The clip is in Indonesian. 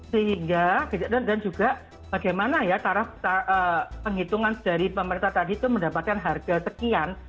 sehingga dan juga bagaimana ya cara penghitungan dari pemerintah tadi itu mendapatkan harga sekian